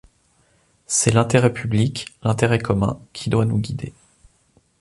C’est l’intérêt public, l’intérêt commun, qui doit nous guider.